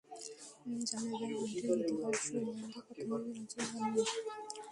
জানা যায়, গানটির গীতিকার শৈলেন্দ্র প্রথমে রাজিই হননি রাজ কাপুরের প্রস্তাবে।